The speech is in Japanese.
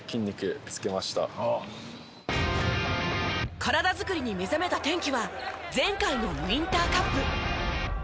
体作りに目覚めた転機は前回のウインターカップ。